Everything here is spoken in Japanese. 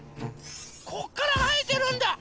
こっからはえてるんだ！